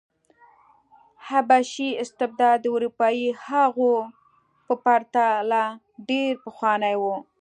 حبشي استبداد د اروپايي هغو په پرتله ډېر پخوانی و.